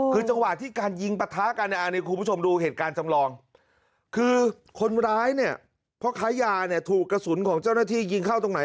คือจังหวะที่การยิงปะทะกันเนี่ยอันนี้คุณผู้ชมดูเหตุการณ์จำลองคือคนร้ายเนี่ยพ่อค้ายาเนี่ยถูกกระสุนของเจ้าหน้าที่ยิงเข้าตรงไหน